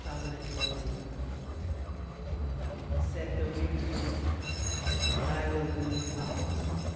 _ THE WIND AND THE MOON Said the Wind to the Moon, "I will blow you out.